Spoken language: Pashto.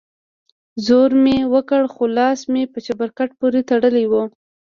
زور مې وکړ خو لاس مې په چپرکټ پورې تړلى و.